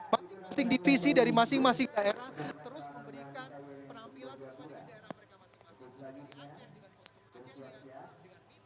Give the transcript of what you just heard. masing masing divisi dari masing masing daerah terus memberikan penampilan sesuai dengan daerah mereka masing masing